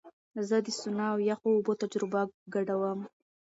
زه د سونا او یخو اوبو تجربه ګډوم.